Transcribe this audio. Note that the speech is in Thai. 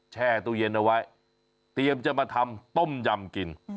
แช่ตู้เย็นเอาไว้เตรียมจะมาทำต้มยำกิน